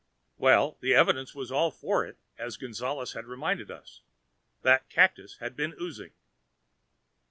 Well, the evidence was all for it, as Gonzales had reminded us that cactus had been oozing.